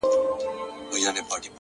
مـاتــه يــاديـــده اشـــــنـــا؛